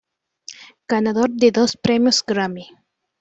Ganador de dos Premios Grammy.